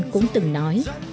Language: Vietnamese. cũng từng nói